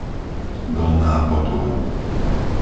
Dolná Potôň